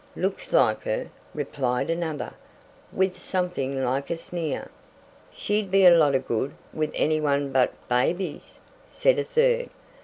"Looks like her," replied another, with something like a sneer. "She'd be a lot of good with any one but babies," said a third.